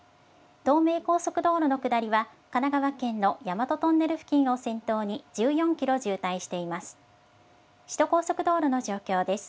東名高速道路の下りは、神奈川県の大和トンネルを先頭に１４キロ渋滞しています。